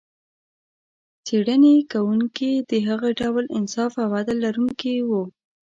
څېړنې کوونکي د هغه ډول انصاف او عدل لرونکي و.